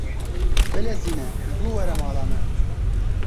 Bilezîne zû were mala me.